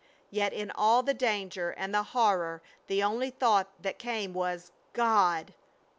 Yet in all the danger and the horror the only thought that came was, "God!